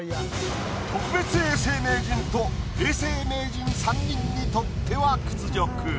特別永世名人と永世名人３人にとっては屈辱。